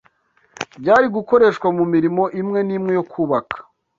byari gukoreshwa mu mirimo imwe n’imwe yo kubaka